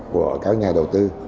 của các nhà đầu tư